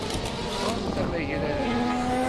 Ɣṛemt amagrad-nni.